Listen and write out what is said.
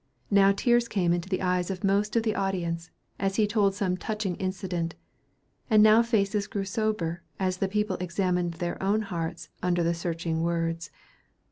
Now tears came into the eyes of most of the audience, as he told some touching incident, and now faces grew sober as the people examined their own hearts under the searching words.